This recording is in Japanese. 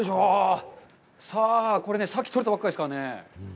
さあ、これね、さっき取れたばっかりですからね。